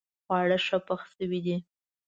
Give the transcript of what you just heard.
خواړه ښه پخ شوي دي